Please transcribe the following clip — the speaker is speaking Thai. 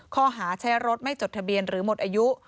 ข้อหาใช้รถไม่จดทะเบียนหรือหมดอายุ